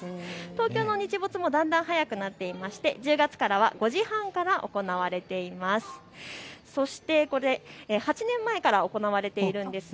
東京の日没もだんだん早くなっていまして１０月からは５時半から行われています。